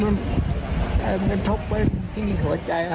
มันทบไปตรงที่หัวใจค่ะ